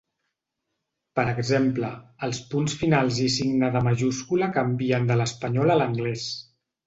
Per exemple, els punts finals i signe de majúscula canvien de l'espanyol a l'anglès.